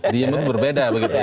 diem pun berbeda